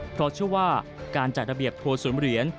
เพราะเชื่อว่าการจัดระเบียบทัวร์ศูนย์เหรียญ